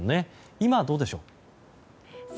今はどうでしょう？